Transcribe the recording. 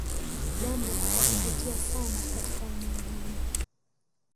Jambo la kuvutia sana katika eneo hili